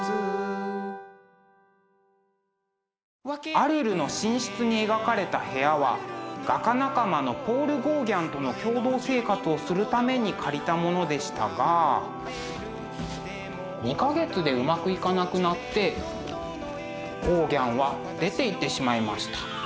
「アルルの寝室」に描かれた部屋は画家仲間のポール・ゴーギャンとの共同生活をするために借りたものでしたが２か月でうまくいかなくなってゴーギャンは出ていってしまいました。